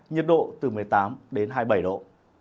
nhiệt độ từ một mươi tám đến hai mươi bảy độ